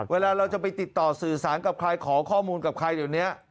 เวลาเราจะไปติดต่อสื่อสารกับใครขอข้อมูลกับใครเดี๋ยวนี้